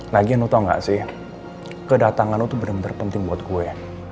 lagian lo tau gak sih kedatanganmu tuh bener bener penting buat gue